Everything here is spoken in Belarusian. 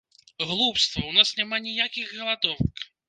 Глупства, у нас няма ніякіх галадовак.